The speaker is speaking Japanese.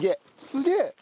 すげえ！